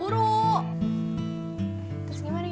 terus gimana ibu